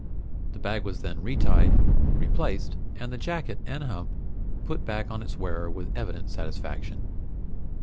The bag was then retied, replaced, and the jacket and hump put back on its wearer with evident satisfaction.